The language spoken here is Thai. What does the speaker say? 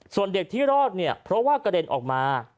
ส่วนเด็กที่รอดเนี่ยเพราะว่ากระเด็นออกมา